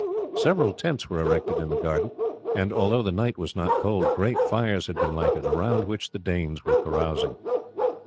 Several tents were erected in the garden; and although the night was not cold great fires had been lighted, around which the Danes were carousing.